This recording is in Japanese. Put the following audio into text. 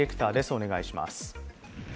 お願いします。